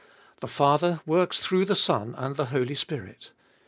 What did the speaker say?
The Father works through the Son and the Holy Spirit.